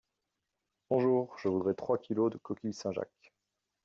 Bonjour, je voudrais trois kilos de coquilles Saint-Jacques.